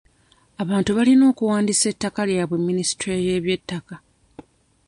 Abantu balina okuwandiisa ettaka lyabwe minisitule y'ebyettaka.